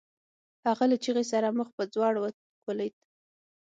هغه له چيغې سره مخ په ځوړ وکوليد.